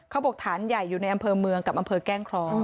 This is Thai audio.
ฐานใหญ่อยู่ในอำเภอเมืองกับอำเภอแก้งครอง